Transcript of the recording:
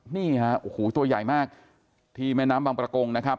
นี่ฮะโอ้โหตัวใหญ่มากที่แม่น้ำบางประกงนะครับ